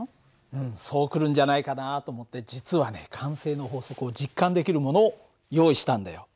うんそう来るんじゃないかなと思って実はね慣性の法則を実感できるものを用意したんだよ。